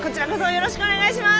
よろしくお願いします！